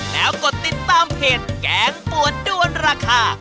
แล้วกดติดตามเพจแกงปวดด้วนราคา